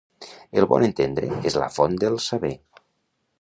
El bon entendre és la font del saber.